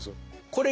これ。